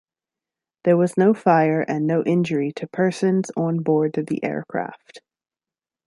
There was no fire and no injury to persons on board the aircraft.